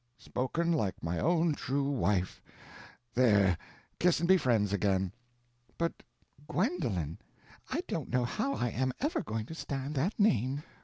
"Spoken like my own true wife! There, kiss and be friends again." "But—Gwendolen! I don't know how I am ever going to stand that name.